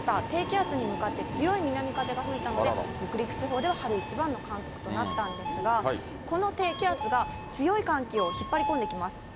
低気圧に向かって強い南風が吹いたので、北陸地方では春一番の観測となったんですが、この低気圧が、強い寒気を引っ張り込んできます。